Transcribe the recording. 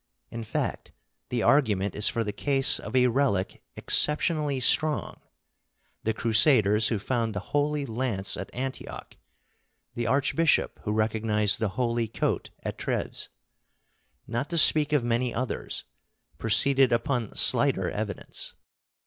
In fact, the argument is for the case of a relic exceptionally strong: the Crusaders who found the Holy Lance at Antioch, the archbishop who recognized the Holy Coat at Treves, not to speak of many others, proceeded upon slighter evidence.